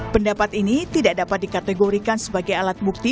pendapat ini tidak dapat dikategorikan sebagai alat bukti